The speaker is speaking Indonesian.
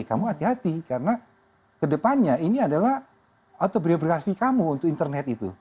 kamu hati hati karena kedepannya ini adalah autobiografi kamu untuk internet itu